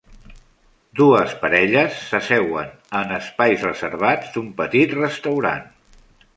Dues parelles s'asseuen en espais reservats d'un petit restaurant.